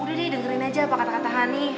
udah deh dengerin aja apa kata kata hani